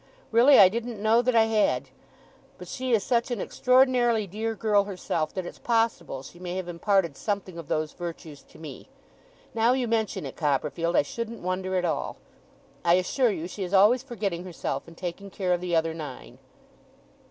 Really I didn't know that I had. But she is such an extraordinarily dear girl herself, that it's possible she may have imparted something of those virtues to me. Now you mention it, Copperfield, I shouldn't wonder at all. I assure you she is always forgetting herself, and taking care of the other nine.